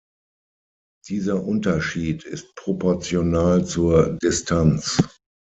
Dieser Unterschied ist proportional zur Distanz.